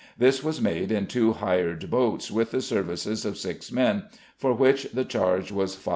This was made in two hired boats (with the services of six men), for which the charge was 5s.